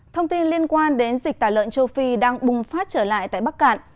thông tin liên quan đến dịch tả lợn châu phi đang bùng phát trở lại tại bắc cạn